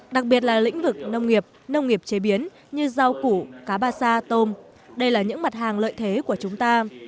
đặc biệt là lĩnh vực nông nghiệp nông nghiệp chế biến như rau củ cá ba sa tôm đây là những mặt hàng lợi thế của chúng ta